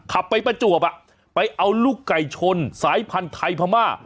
ขับไปประจวบไปเอาลูกไก่ชนสายพันธุ์ไทยพม่า